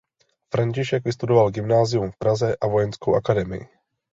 František vystudoval gymnázium v Praze a vojenskou akademii.